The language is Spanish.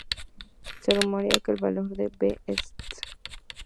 Se rumorea que el valor del B St.